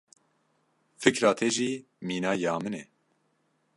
Fikra te jî mîna ya min e.